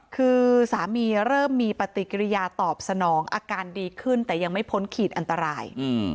คือสามีเริ่มมีปฏิกิริยาตอบสนองอาการดีขึ้นแต่ยังไม่พ้นขีดอันตราย